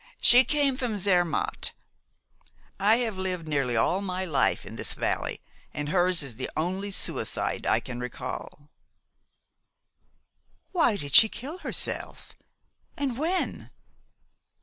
She came from Zermatt. I have lived nearly all my life in this valley, and hers is the only suicide I can recall." "Why did she kill herself, and when?"